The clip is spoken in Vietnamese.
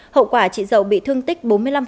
hậu quả chị dậu bị thương tích bốn mươi năm